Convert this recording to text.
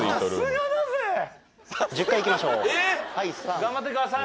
えっ！？頑張ってください。